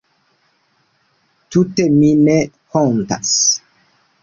Tute mi ne hontas!